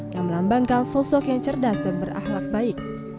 yang melambangkan sosok yang cerdas dan berahlak baik